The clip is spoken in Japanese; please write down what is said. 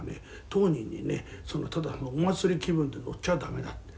当人にねただお祭り気分で乗っちゃ駄目だって。